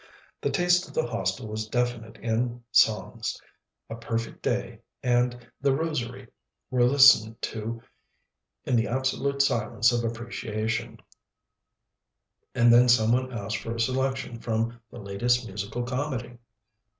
The taste of the Hostel was definite in songs. "A Perfect Day" and "The Rosary" were listened to in the absolute silence of appreciation, and then some one asked for a selection from the latest musical comedy.